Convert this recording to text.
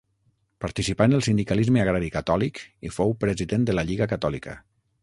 Participà en el sindicalisme agrari catòlic i fou president de la Lliga Catòlica.